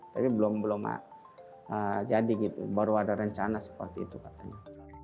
tapi belum belum jadi gitu baru ada rencana seperti itu katanya